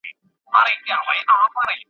څوچي غرونه وي پرځمکه ,